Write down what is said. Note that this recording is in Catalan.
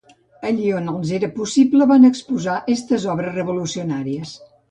Allí on els era possible van exposar estes obres revolucionàries.